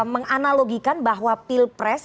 menganalogikan bahwa pilpres